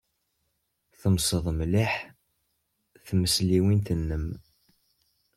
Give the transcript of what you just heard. Temsed mliḥ tmesliwt-nnem.